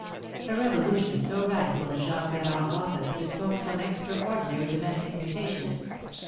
A revolution so radical in Jacques Ferrand's office bespoke some extraordinary domestic mutation.